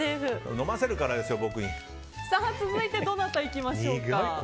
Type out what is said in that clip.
続いて、どなたいきましょうか。